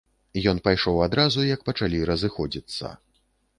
Ён пайшоў адразу, як пачалі разыходзіцца.